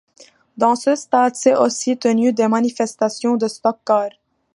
Dans ce stade s’est aussi tenu des manifestations de stock-car.